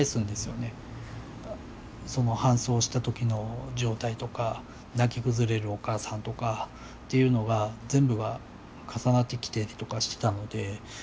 その搬送した時の状態とか泣き崩れるお母さんとかっていうのが全部が重なってきたりとかしてたので。